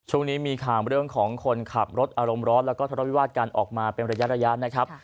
ช่วงนี้มีข่าวเรื่องของคนขับรถอารมณ์ร้อนแล้วก็ทะเลาวิวาสกันออกมาเป็นระยะนะครับ